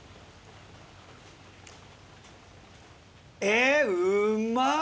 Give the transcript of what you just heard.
えうまっ！